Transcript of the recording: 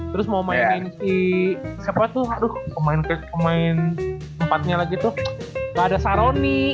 terus mau mainin si siapa tuh aduh pemain tempatnya lagi tuh gak ada saroni